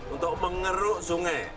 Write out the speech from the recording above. untuk mengeruk sungai